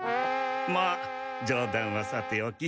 まあじょう談はさておき